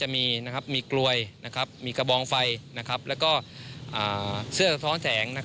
มีกระบองไฟและเสื้อสะท้อนแสง